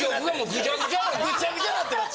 ぐちゃぐちゃなってます。